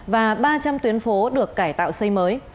và ba trăm linh tuyến phố được cải tạo xây mới